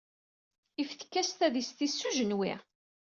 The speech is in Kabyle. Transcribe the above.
Yeftek-as tadist-is s ujenwi.